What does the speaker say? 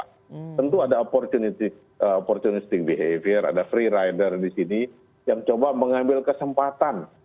tentu ada opportunisting behavior ada free rider di sini yang coba mengambil kesempatan